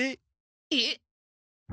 えっ。